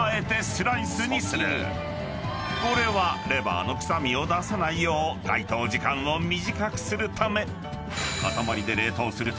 ［これはレバーの臭みを出さないよう解凍時間を短くするため］